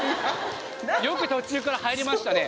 よく途中から入れましたね